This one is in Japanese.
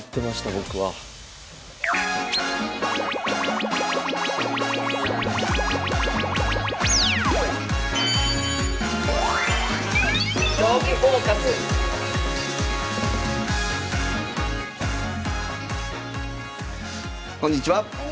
僕はこんにちは。